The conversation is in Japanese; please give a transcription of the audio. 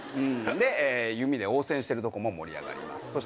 で弓で応戦してるところも盛り上がります。